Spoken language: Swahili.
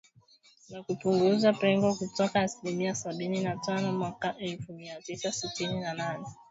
na kupunguza pengo kutoka asilimia sabini na tano mwaka elfu mia tisa tisini na nne